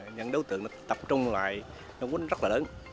những đối tượng tập trung lại nó vốn rất là lớn